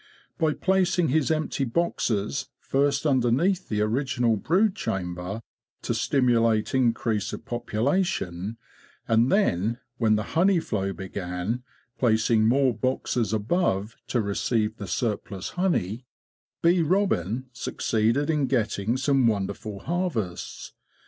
By placing his empty boxes first underneath the original brood chamber, to stimulate increase of population, and then, when the honey flow began, placing more boxes above to receive the surplus honey, '' Bee Robin'' succeeded in getting some wonderful harvests.